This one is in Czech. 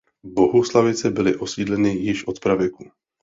Bohuslavice byly osídleny již od pravěku.